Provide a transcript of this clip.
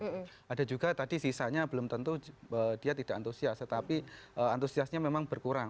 ada juga tadi sisanya belum tentu dia tidak antusias tetapi antusiasnya memang berkurang